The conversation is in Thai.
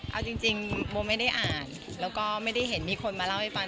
เอาจริงโมไม่ได้อ่านแล้วก็ไม่ได้เห็นมีคนมาเล่าให้ฟัง